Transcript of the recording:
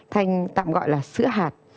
thành tạm gọi là sữa hạt